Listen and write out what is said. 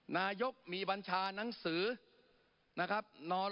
นายกมีบัญชาหนังสือนะครับ